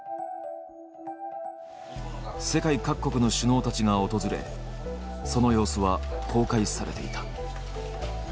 世界各国の首脳たちが訪れその様子は公開されていた。